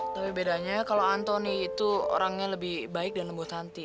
tapi itu orangnya lebih baik dan lembut nanti